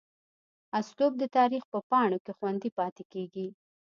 اسلوب دَ تاريخ پۀ پاڼو کښې خوندي پاتې کيږي